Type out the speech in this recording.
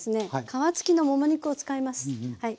皮付きのもも肉を使いますはい。